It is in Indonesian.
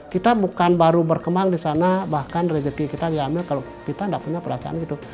kita bukan baru berkembang di sana bahkan rezeki kita diambil kalau kita tidak punya perasaan gitu